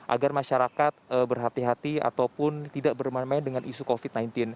agar masyarakat berhati hati ataupun tidak bermain main dengan isu covid sembilan belas